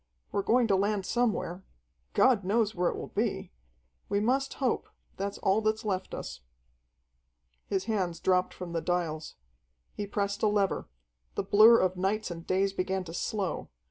"We're going to land somewhere. God knows where it will be. We must hope that's all that's left us." His hands dropped from the dials. He pressed a lever. The blur of nights and days began to slow.